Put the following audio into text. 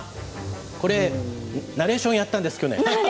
これ、ナレーションやったんです、去年。